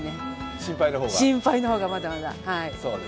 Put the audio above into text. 心配の方がまだまだ。